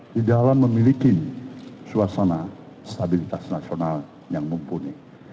di dalam memiliki suasana stabilitas nasional yang mumpuni